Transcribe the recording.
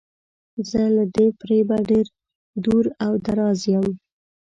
زه له دې فریبه ډیر دور او دراز یم.